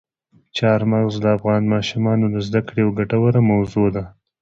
چار مغز د افغان ماشومانو د زده کړې یوه ګټوره موضوع ده.